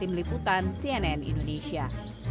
tim liputan cnn indonesia